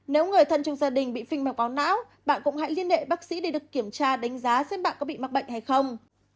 nếu người thân trong gia đình bị phinh mọc máu não bạn cũng hãy liên hệ bác sĩ để được kiểm tra đánh giá xem bạn có bị mắc bệnh hay không